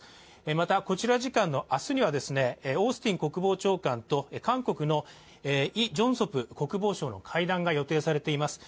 またこちら時間の明日にはオースティン国防長官と韓国のイ・ジョンソプ国防相の会談が予定されています。